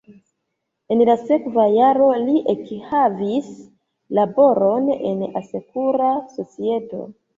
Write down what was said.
En la sekva jaro li ekhavis laboron en asekura societo.